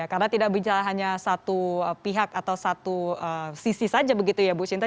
karena tidak bisa hanya satu pihak atau satu sisi saja